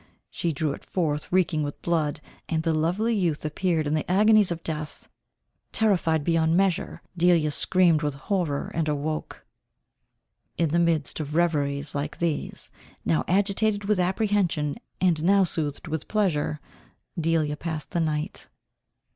She drew it forth reeking with blood, and the lovely youth appeared in the agonies of death. Terrified beyond measure, Delia screamed with horror and awoke. In the midst of reveries like these, now agitated with apprehension, and now soothed with pleasure, Delia passed the night.